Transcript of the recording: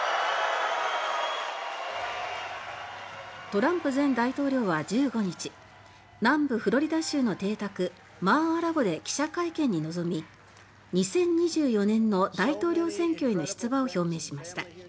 トランプ前大統領は１５日南部フロリダ州の邸宅「マー・ア・ラゴ」で記者会見に臨み２０２４年の大統領選挙への出馬を表明しました。